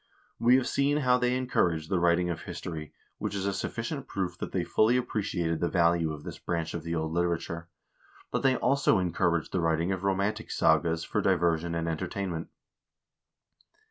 We have seen how they encouraged the writing of his tory, which is a sufficient proof that they fully appreciated the value of this branch of the old literature; but they also encouraged the writing of romantic sagas for diversion and entertainment.